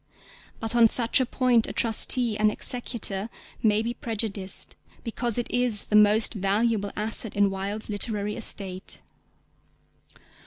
But on such a point a trustee and executor may be prejudiced because it is the most valuable asset in Wilde's literary estate.